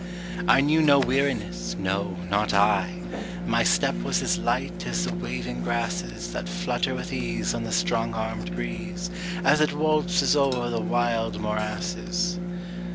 I knew no weariness, no, not I My step was as light as the waving grasses That flutter with ease on the strong armed breeze, As it waltzes over the wild morasses.